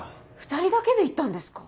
⁉２人だけで行ったんですか？